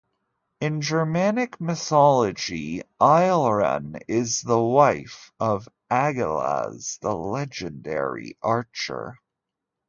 In Germanic mythology, Ailrun is the wife of Agilaz, the legendary archer.